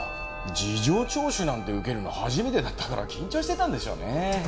事情聴取なんて受けるの初めてだったから緊張してたんでしょうねえ。